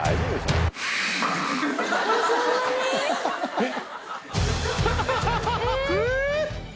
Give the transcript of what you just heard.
えっ！